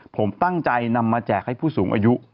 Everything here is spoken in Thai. ผมตั้งใจนำมาแจกให้ผู้สูงอายุ